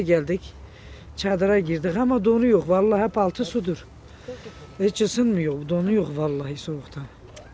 geldik cadara gede kamu donyok wallah paltu sudut e chase myo donyok wallahi sohbetan